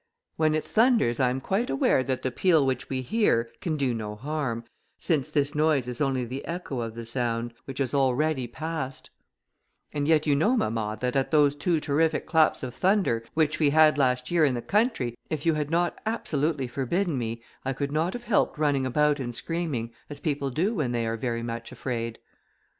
When it thunders, I am quite aware that the peal which we hear, can do no harm, since this noise is only the echo of the sound, which has already passed, and yet you know, mamma, that at those two terrific claps of thunder which we had last year in the country, if you had not absolutely forbidden me, I could not have helped running about and screaming, as people do when they are very much afraid."